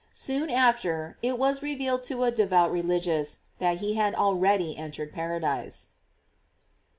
Soon after, it was revealed to a devout religious that he had already entered paradise.